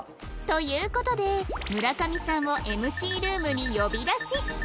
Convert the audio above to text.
という事で村上さんを ＭＣ ルームに呼び出し